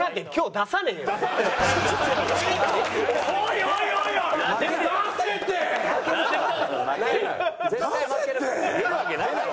出るわけないだろ。